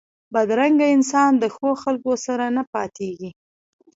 بدرنګه انسان د ښو خلکو سره نه پاتېږي